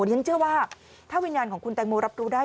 ฉันเชื่อว่าถ้าวิญญาณของคุณแตงโมรับรู้ได้